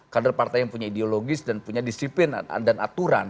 kader partai yang punya ideologis dan punya disiplin dan aturan